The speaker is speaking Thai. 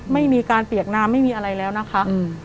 ไม่มีการเปียกน้ำไม่มีอะไรแล้วนะคะ